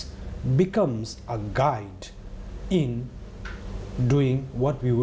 การมาให้กดสามเวที